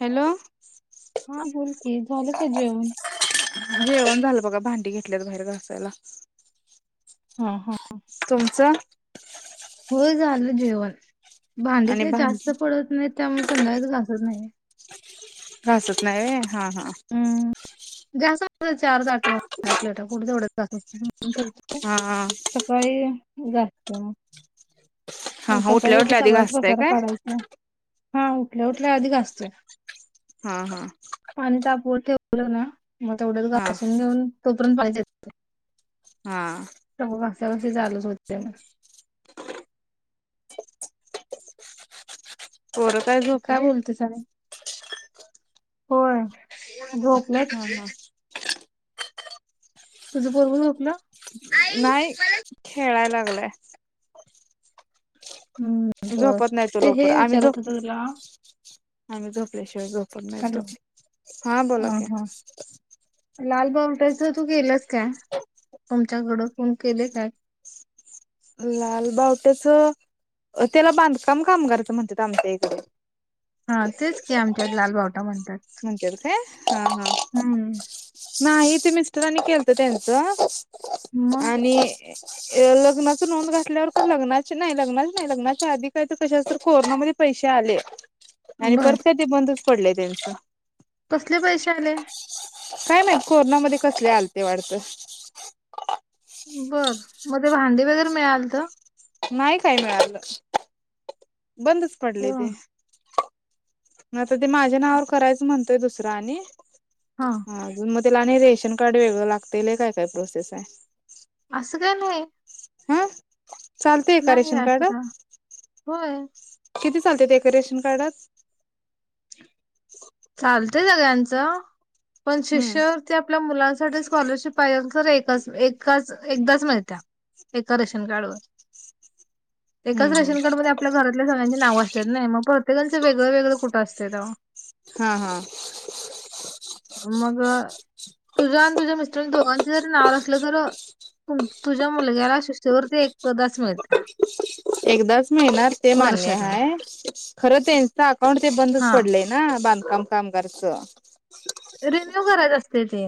Hello [inaudible] हा बोल की झालं का जेवण? [inaudible] जेवण झालं का? भांडी घेतल्यात बाहेर घासायला हा [inaudible] तुमचं [inaudible] हो झालं जेवण. भांडी आणि काही जास्त भांडी पडत नाही त्यामुळे संध्याकाळी घासत नाही. घासत नाही रे हा हा घासत एवढेच चार ताट आपल्याला कुठे जायचंय हा [unintelligible] सकाळी घासा हा हा सकाळी उठल्या उद्या उठल्या आधी सगळच घासताय पसारा काय काढायचा हा उठल्या उठल्या आधी घासतोय हा हा पाणी तापवून ना मग तेवढ्या हा घासून घेऊन तोपर्यंत पाहिजे हा का चालूच होते ना पोरं काय झोपली [unintelligible] होय झोपलेत हा हा तुझं पोरगं झोपलं आई नाही मला खेळाय लागलंय हम्म बर झोपत नाही तो ते लवकर हे आम्ही विचारत होत झपत तुला आम्ही झोपल्याशिवाय झोपत नाहीतो हॅलो हा बोला की लाल बावटाच तू केलंस काय तुमच्याकड कोण केलेय काय लालबावट्याच अ त्याला बांधकाम कामगारच म्हणतात आमच्या इकडें हा तेच का आमच्या लालबावटा म्हण म्हणत्यात काय हा हा हम्म नाही ते मिस्टरांनी केलत त्यांचं मग आणि लग्नाच नोंद घातल्यावर तर लग्नाची नय लग्नाच नाही लग्नाच्या आधी काही तर कशा कोरोनामध्ये प पैसे आले आणि बर परत काय ते बंदच पडलय त्यांच कसले पैसे आले काय माहित कोरोनामध्ये कसले आलते वाढत बर मध्ये भांडी वगैरे मिळाल त नाही काय मिळालं बंदच पडलय ते आता ते माझ्या नावावर करायचं म्हणतोय दुसर आणि हा मग त्याला आणि रेश रेशन कार्ड वेगळं लागतय लय काय काय प्रोसेस हाय असं काय नाही हां चालतय एका नाही रेशन असं का होय कार्डवर किती चालतेती एका रेशन कार्डात चालतय सगळ्यांचं पण हम्म शिष्यवृत्ती ते आपल्या मुलां पण जर स्कॉलरशिप पाहे असेल तर एकाच एकाच एकदाच मिळत्या एका रेशनकार्ड वर एकाच हम्म हम्म रेशन कार्ड मध्ये आपल्या घरातल्या सगळ्यांची नावे असतात नई मग भर सगळ्यांच वेगळं वेगळं कुठं असतय तेव्हा हा हा मग तुझं आणि तुझ्या मिस्टर दोघांच जरी नाववर असलं तर तु तुझ्या मुलग्याला शिष्यवृत्ती एकदाच मिळत्या एकदाच मिळणार ते मान्य वर्षातन हाय खर त्याचं आक्क पण ते बंदच हा पडलय ना बांधकाम कामगारचं रिन्यू करायच असते ते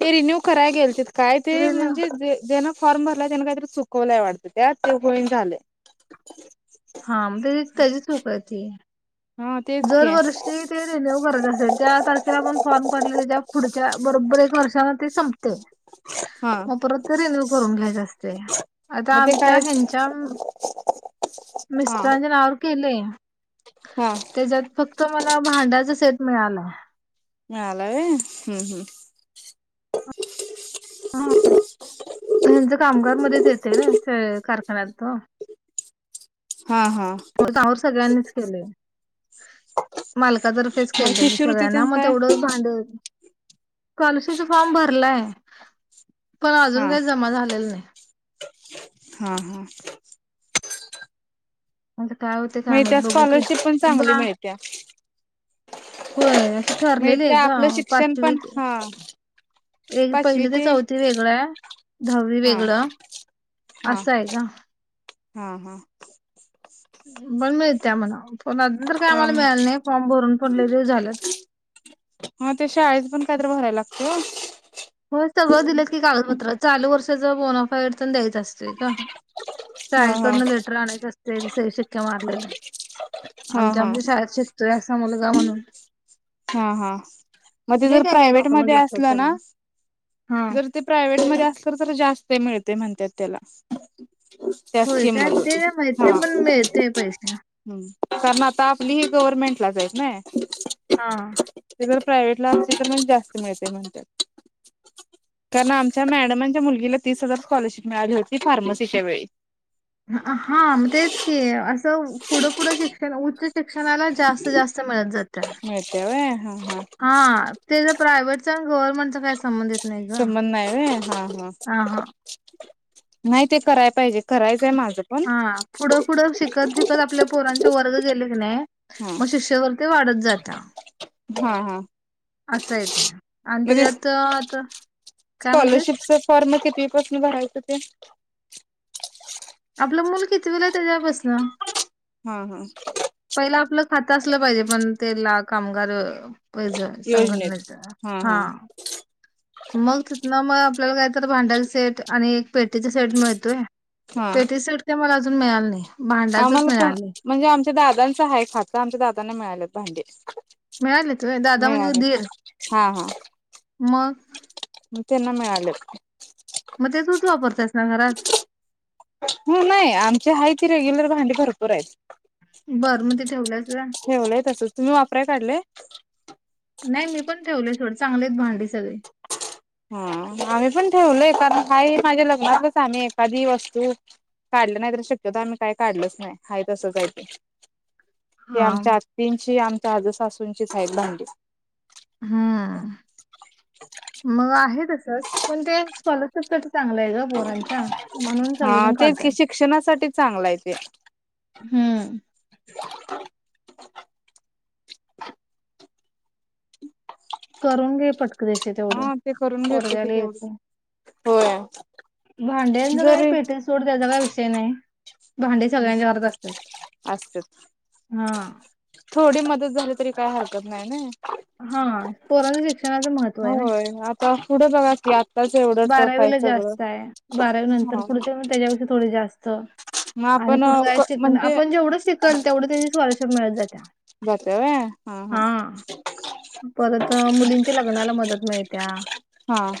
ते रिन्यू करायला गेलतीत काय ते रिन्यू म्हणजे जे जन फॉर्म भरला त्यान काहीतरी चुकवलाय वाटतं त्यात ते होईन झालंय हा त्याची त्याचीच चूक हाय ती हम् जरवर्षी ते रिन्यू करायच असतय ज्या तारखेला आपण फॉर्म भरलय त्याच्या पुढच्या बरोबर एक म वर्षाला ते संपत हा मग परत ते रिन्यू करून घ्यायच असतय आता मग ते आमच्या काय हेंच्या हा मिस्टरांच्या नावावर केलय हा त्येज्यात फक्त मला भांड्याचा सेट मिळालाय मिळालाय वय हम्म हम्म. ह्यांच कामगार मध्येच येतय नई ते कारखान्यात हा हा मग त्यावर सगळ्यांनीच केलय. मालकातर्फेच मग केल्याल शिष्यवृत्ती सगळ्यांना तेन मग काय तेवढंच भांडे कालूशीचा फॉर्म भरलाय पण अजून हा काय जमा झालेलं नई. हा हा आता काय होतय काय मिळत्या माहित बघू की, स्कॉलरशिप पण ते चांगली बा मिळत्या होय. ते ठरलेली आय मिळत्या ग आपलं शिक्षण पण पाचवीची हा एक पहिली ते चौथी वेगळं आय, दहावी हा वेगळं असं आय ग हा हा. [unintelligible] मिळत्या म्हण, पण अजून तर काय हा आम्हाला मिळाल नई, फॉर्म भरून पण लय दिवस झालत हा ते शाळेत पण कायतर भराय लागतय होय सगळ दिलं की कागदपत्र, चालू वर्षाच बोनाफाईड तेन द्यायच अस तय ग, हा हा शाळेकडन लेटर आणायचं असतय ते सई शिक्का मारलेल. हा आमच्या हा आमच्या शाळेत शिकतोय असा मुलगा म्हणून हा हा, म ते लय जर काय काय प्रायव्हेट डॉक्युमेंट मध्ये लागतात असलं त्याला ना हा जर ते प्रायव्हेट मध्ये असत तर जास्त मिळतय म्हणत्यात त्याला त्याच होय किंमत काय ते काय माहित [unintelligible] हा नाही पण मिळतय पैसे हम्म कारण आता आपली ही गव्हर्मेंटलाच आयत नई हा. ते जर प्रायव्हेट ला असली तर मग जास्त मिळतय म्हणत्यात. कारण आमच्या मॅडमांच्या मुलगीला तीस हजार स्कॉलरशिप मिळाली होती फार्मसीच्या वेळी अ हा मग तेच की असं पुढं पुढं शिक्षण उच्च शिक शिक्षणाला जास्त जास्त मिळतं जात्या मिळते व्हय हा हा हा ते [unintelligible] प्रायव्हेटच संबंध नाई वय हा हा हा नाही ते कराय पाहिजे, करायचाय माझं पण हा पुढं पुढं शिकत शिकत आपल्या पोरांचे वर्ग गेले कणी हा मग शिष्यवृत्ती वाढ [unintelligible] जात्या हा. हा असं आय ते आणि मग ते तेज्यात आत स्कॉलरशिपच फॉर्म कितवीपासन भरायचं ते? आपलं मूल कितविला हा हा. पहिलं आपलं खातं असलं पाहिजे पण त्येला कामगार यो पैच संघटनेच हा, मग तिथन मग आपल्याला काय तर भांड्याच सेट आणि एक पेटीचा सेट मिळतोय, हा पेटीचा सेट काय मला अजू जून मिळाला नई आम्हाला पण म्हणजे आमच्या दादांच हाय खात आमच्या दादांना मिळाल्यात भांडी मिळालेत होय दादा म्हणजे उ मिळाले. दीर मग म त्यांना मिळालेत मग ते तूच वापरत्यास ना घरात? ह नाही आमची आहे ती रेग्युलर भांडी भरपूर आइत, बर मग ते ठेवल्यास व्हय ठेवलंय तसच, तुम्ही वापराय काढलय? नाई मी पण ठेवलय सोड चांगली आईत भांडी सगळी हा आम्ही पण ठेवलय कारण हाय हि माझ्या लग्नातलच आणि एखादी वस्तू काढलं नाही तर शक्यतो आम्ही काय काढलच नाही हाय तसंच आय ते ही हा आमच्या आत्तींची, आमच्या आज सासूंचीच हायत भांडी हम्म मग आहे तसच पण ते स्कॉलरशिपसाठी चांगलंय ग बोरांच्या म्हणून हा सगळीजन तेच की काढत्यात. शिक्षणासाठी चांगलं आहे ते. हम्म. ह. करून घे पटकदशी तेवढं हा ते करून घेतो की पोरग्याला तेवढं येतय होय भांड्यांच काय जरी पेठी [unintelligible] हाय सोड त्याचा काय विषय नय भांडे सगळ्यांच्या घरात असत्यात असत्यात हा झाल तरी काय हरकत नाही ना हा पोरांच शिक्षणाचं महत्त्व आहे ना थढं बघा [unintelligible] त्याच एवढं टफ हाय बारावीला सगळं जास्त आहे बारावी नंतर हा पुढच्या मग त्याच्यापेक्षा थोडी जास्त म्या आणि पण पुढं काय शिक आपण जेवड शिकल, तेवढ त्याची स्कोलरशिप मिळत जाईल हा परत मुलींच्या लग्नाला मदत मिळत्या हा.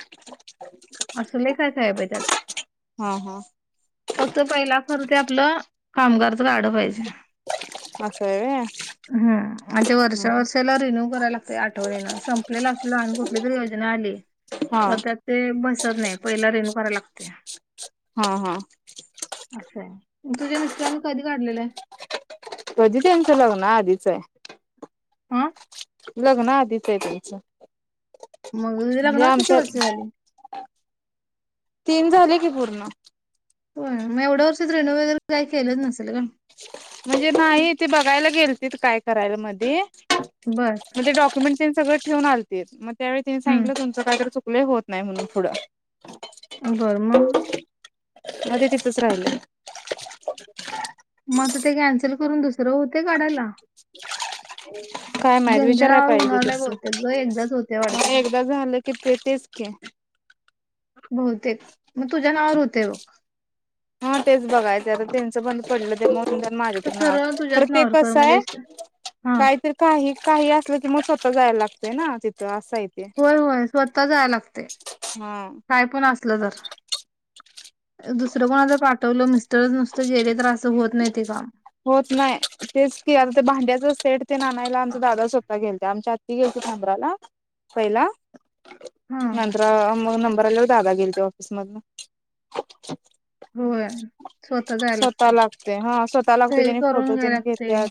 अस लय काय काय हाय बय त्यात हा हा फक्त पहिला खर ते आपलं कामगारच कार्ड पाहिजे होय ग? हम आणि ते वर्षा वर्षाला रिन्यू करायला लागत आठवणीन संपलेल असल आणि कुठली तरी योजना आली. हा. तर त्यात ते बसत नाही पहिला रिण्यू कराय लागतय हा हा. असय, तुझ्या मस्त्रांने कधी काढलेलं? कधी, त्यांचं लग्ना आधीचय आं? लग्न आधीच आहे त्यांचं मग म्हणजे लग्नाला किती आमच्या वर्ष झाली? तीन झाले की पूर्ण हो मग एवढ्या वर्ष रिन्यू वगैरे काय केलं नसेल ग म्हणजे नाही ते बघायला गेल त काय करायला मध्ये बर मग ते डाक्युमेंट सगळं ठेवून आलतेत, मग त्यावेळी त्यानी सांगितलं हम्म तुमचं काय तर चूक होत नाही म्हणून पुढ बर मग? मध्ये तिथच राहिलं मग ते कॅन्सल करून दुसरं होतय काढायला? काय माहित ज्यांच्या विचारायला नावावर पाहिजे होणार ते नाही तस बहुतेक ग एकदाच होतय वाटत ह ते एकदा झालं की ते तेच कि बहुतेक मग तुझ्या नावावर होते बग हा तेच बघायचं आता त्यांचं बंद पडलं ते मरुद्या माझ तर नाव सरळ खर तुझ्याच ते नावावर कर म्हणजे कसय हा काहीतरी काही काही असलं मग स्वतः जाय लागतंय ना तिथं अस? होय होय स्वतः जाय लागते, हा काय पण असलं तर दुसरं कोणा क पाठवलं मिस्टर नुसतं गेले तर असं होत नाही ते काम होत नाही तेच कि, आता ते भांड्याच सेट ते आनायला आमचा दादाच स्वतः गेलते आमच्या अत्ती गेलती मुंब्राला पहिला हा नंतर मग नंबर आल्यावर दादा गेले ते ऑफिस मधून होय स्वतः लागते हा स्वतः लागते सही जनी करून फोटो घ्यायला त्यांनी लागते घेते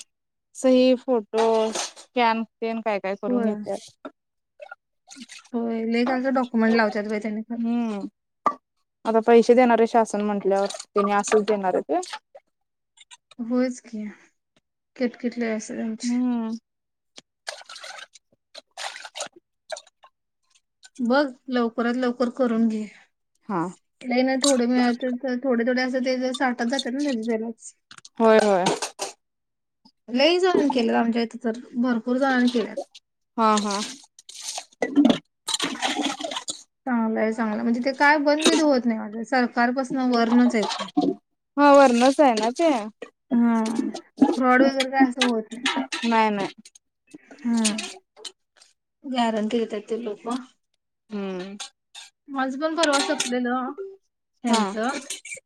सही फोटो स्कॅन स्कन काय काय करून होय घेत्यात होय लय काई काय डॉक्युमेंट लावचत्यात बांई त्यांनी खर देणार शासन म्हटल्यावरच तेनि असच देणारे ते होच कि किरकिर लई असत्य त्यांची हम्म बघ लवकरात लवकर करून घे हा नाही ना थोडे मिळात तर थोडे थोडे असं ते साठत जातात ना भाजलाच होय होय लई जणांनी केलेत आमच्या इथे तर भरपूर जणांनी केल्यात ह [unintelligible] चांगलंय चांगलाय म्हणजे ते काय बंदबिंद होत नाही वाटत कालपासन वरणच आहेत का हा वरणच आहे ना ते हा फ्रॉड वगैरे काय असं होत नाही नाही नाही हम्म गॅरंटी घेतात ते लोक हम्म माझं पण परवा संपलेलं हा त्यांचं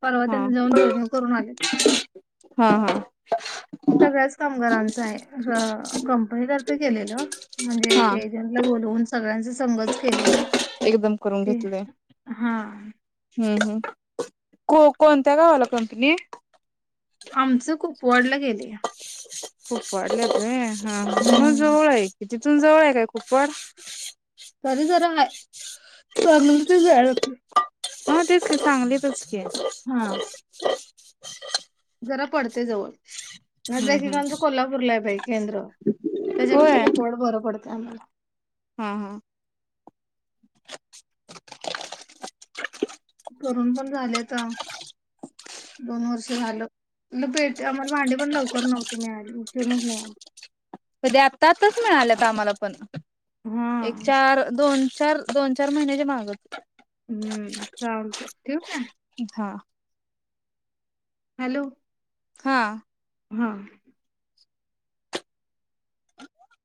परवा हा त्यांनी जाऊन रेवव करून आलेत हा हा सगळ्याच कामगारांचा आहे कंपनीतर्फे केलेलं म्हणजे हा ते एजंटला बोलवून सगळ्यांच संघच केलेलं एकदम करून ते घेतले हा हम्म हम्म को कोणत्या गावाला कंपनी पोडला गेले खूप वाढल्यात हा हम्म जवळ आहे कि तिथून जवळ आहे काय कुप्पड तरी जरा हाय चांगली तर हाय [unintelligible] हा तेच की सांगलीतच की हा जरा पडतय जवळ म हम्म दे हम्म [unintelligible] कोल्हापूरला आहे बाई केंद्र तेज्यापेक्षा होय कुपवाड बर पड त्यामला हा हा झाली आता दोन वर्ष झालं. न पेटे आम्हाला भांडी पण लवकर नव्हती मिळाली उशीरनच मिळाली. कधी आता आताच मिळाल्यात आम्हाला पण हा एक, चार, दोन चार दोन चार महिन्याच्या माग हम्म चालतय ठेवू काय? हा हॅलो हा हा